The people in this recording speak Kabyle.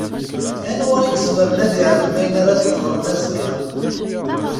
Anwa i izemren ad iɛlem ayen ara yeḍṛun azekka?